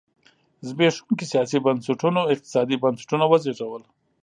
زبېښونکي سیاسي بنسټونو اقتصادي بنسټونه وزېږول.